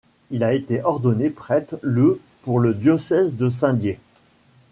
Il a été ordonné prêtre le pour le diocèse de Saint-Dié.